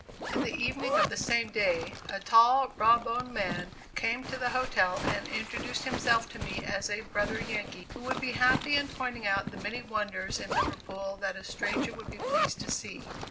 In the evening of the same day, a tall, raw boned man came to the hotel and introduced himself to me as a brother Yankee, who would be happy in pointing out the many wonders in Liverpool that a stranger would be pleased to see.